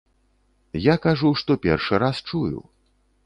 Я кажу, што першы раз чую.